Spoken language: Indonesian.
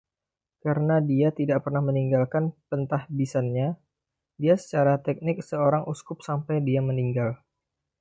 Karena dia tidak pernah meninggalkan pentahbisannya, dia secara teknik seorang uskup sampai dia meninggal.